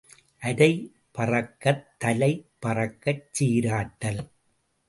அரை பறக்கத் தலை பறக்கச் சீராட்டல்.